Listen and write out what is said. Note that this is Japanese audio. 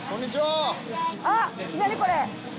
あっ何これ！